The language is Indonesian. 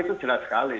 itu jelas sekali